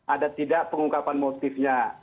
ada tidak pengungkapan motifnya